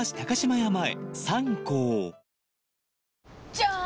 じゃーん！